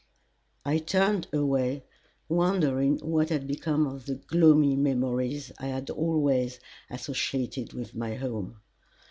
I turned away, wondering what had become of the gloomy memories I had always associated with my home.